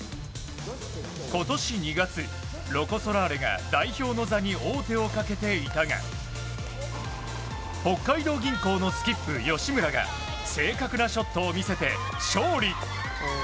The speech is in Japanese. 今年２月、ロコ・ソラーレが代表の座に王手をかけていたが北海道銀行のスキップ吉村が正確なショットを見せて勝利。